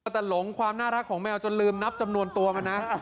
แต่หลงความน่ารักของแมวจนลืมนับจำนวนตัวมันนะ